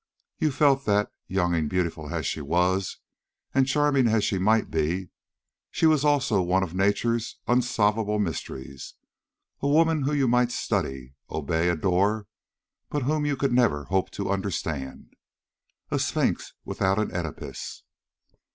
You felt that, young and beautiful as she was, and charming as she might be, she was also one of nature's unsolvable mysteries a woman whom you might study, obey, adore, but whom you could never hope to understand; a Sphinx without an Oedipus.